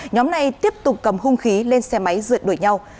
nhóm này tiếp tục cầm hung khí lên xe máy rượt đuổi nhau